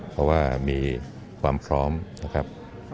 เพราะว่ามีความพร้อมนะครับ